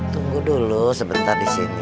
tunggu dulu sebentar di sini